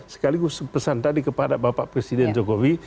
sekaligus pesan tadi kepada bapak presiden jokowi